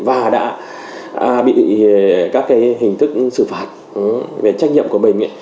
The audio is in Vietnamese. và đã bị các hình thức xử phạt về trách nhiệm của mình